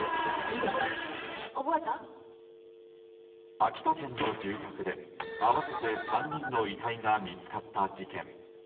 秋田県の住宅で、合わせて３人の遺体が見つかった事件。